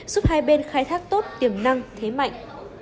giúp hai bên khai thác tốt tiềm năng thế mạnh